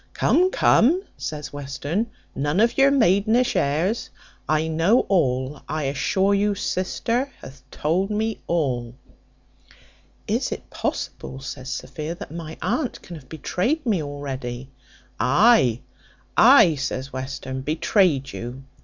"Come, come," says Western, "none of your maidenish airs; I know all; I assure you sister hath told me all." "Is it possible," says Sophia, "that my aunt can have betrayed me already?" "Ay, ay," says Western; "betrayed you!